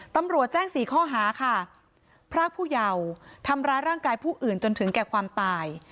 ตำรวจแจ้ง๔ข้อหาค่ะพรากผู้เยาว์ทำร้ายร่างกายผู้อื่นจนถึงแก่ความตาย